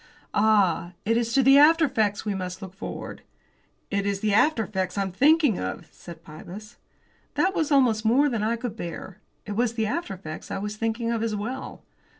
"Ah! it is to the after effects we must look forward." "It is the after effects I'm thinking of," said Pybus. That was almost more than I could bear; it was the after effects I was thinking of as well.